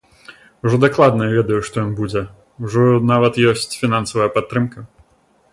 Ужо дакладна ведаю, што ён будзе, ужо нават ёсць фінансавая падтрымка.